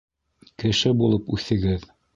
Кеше булып үҫегеҙ.